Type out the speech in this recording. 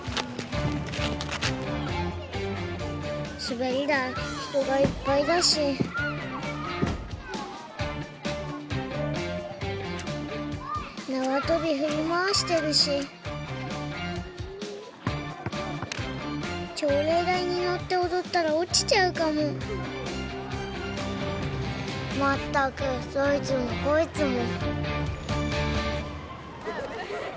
すべりだいひとがいっぱいだしなわとびふりまわしてるしちょうれいだいにのっておどったらおちちゃうかもまったくどいつもこいつも。